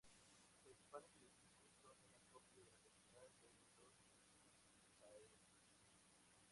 Sus principales edificios son una copia de la capital de los itzáes.